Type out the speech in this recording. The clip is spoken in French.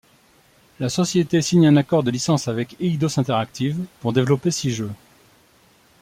La société signe un accord de licence avec Eidos Interactive pour développer six jeux.